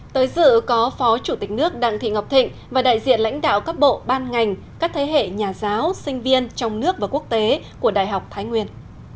tới dự có phó chủ tịch nước đặng thị ngọc thịnh và đại diện lãnh đạo các bộ ban ngành các thế hệ nhà giáo sinh viên trong nước và quốc tế của đại học thái nguyên